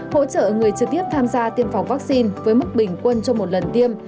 hỗ trợ người trực tiếp tham gia tiêm phòng vaccine với mức bình quân trong một lần tiêm